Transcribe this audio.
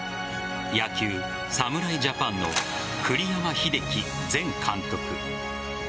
野球、侍ジャパンの栗山英樹前監督。